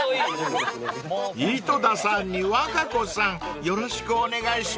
［井戸田さんに和歌子さんよろしくお願いします］